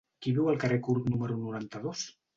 Qui viu al carrer Curt número noranta-dos?